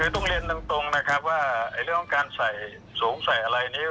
ต้องเลียนตรงครับว่าเรื่องการส่งใส่อะไรนี่